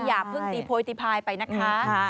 อย่าเพิ่งตีโพยตีพายไปนะคะ